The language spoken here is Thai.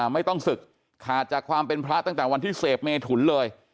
ไม่ต้องศึกขาดจากความเป็นพระตั้งแต่วันที่เสพเมถุนเลย